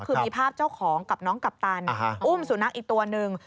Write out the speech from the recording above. คือมีภาพเจ้าของกับน้องกัปตันอุ้มสุนัขอีกตัวหนึ่ง